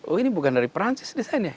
oh ini bukan dari perancis desainnya